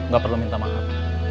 gak perlu minta maaf